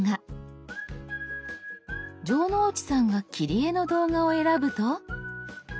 城之内さんが「切り絵」の動画を選ぶと。